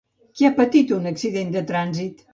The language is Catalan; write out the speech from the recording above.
Qui ha patit un accident de trànsit?